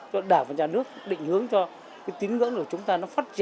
cho đảng và nhà nước định hướng cho cái tín ngưỡng của chúng ta